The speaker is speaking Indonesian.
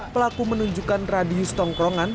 pelaku menunjukkan radius tongkrongan